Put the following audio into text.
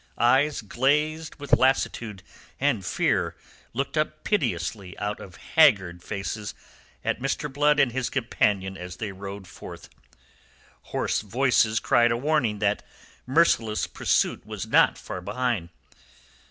Eyes glazed with lassitude and fear looked up piteously out of haggard faces at Mr. Blood and his companion as they rode forth; hoarse voices cried a warning that merciless pursuit was not far behind.